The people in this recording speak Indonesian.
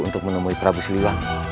untuk menemui prabu siliwang